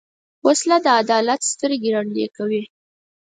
وسله د عدالت سترګې ړندې کوي